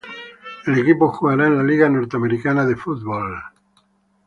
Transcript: El equipo jugará en la Liga Norteamericana de Fútbol.